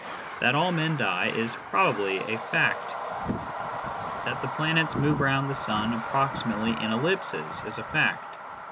That all men die is probably a fact. That the planets move round the sun approximately in ellipses is a fact.